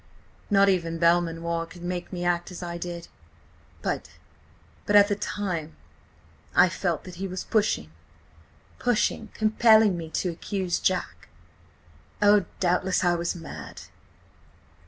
Not even Belmanoir could make me act as I did. But–but at the time I felt that he was pushing–pushing–compelling me to accuse Jack. Oh, doubtless I was mad!"